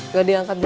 gak diangkat juga